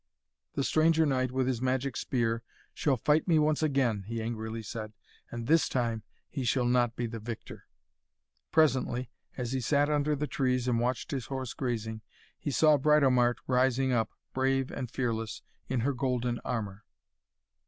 'The stranger knight with his magic spear shall fight me once again,' he angrily said, 'and this time he shall not be the victor.' Presently, as he sat under the trees, and watched his horse grazing, he saw Britomart riding up, brave and fearless, in her golden armour.